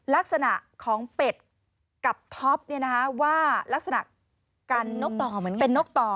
ลักษณะของเป็ดกับท็อปว่ารักษณะกันเป็นนกต่อ